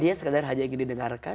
dia sekedar hanya ingin didengarkan